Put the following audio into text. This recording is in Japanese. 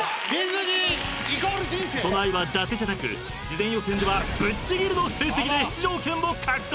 ［その愛はだてじゃなく事前予選ではぶっちぎりの成績で出場権を獲得］